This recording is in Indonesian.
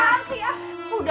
tidak ada yang tahu diri